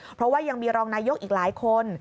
เพราะว่ายังมีรองนายกอีกหลายคน